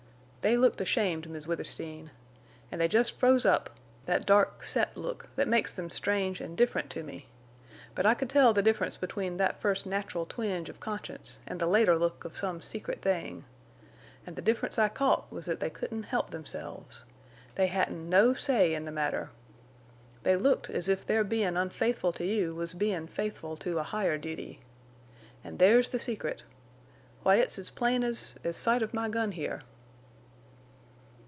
They looked ashamed, Miss Withersteen. An' they jest froze up—thet dark set look thet makes them strange an' different to me. But I could tell the difference between thet first natural twinge of conscience an' the later look of some secret thing. An' the difference I caught was thet they couldn't help themselves. They hadn't no say in the matter. They looked as if their bein' unfaithful to you was bein' faithful to a higher duty. An' there's the secret. Why it's as plain as—as sight of my gun here."